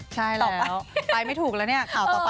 ใช่หรอกไปไม่ถูกแล้วเนี่ยข่าวต่อไป